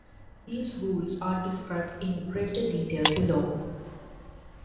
These rules are described in greater detail below.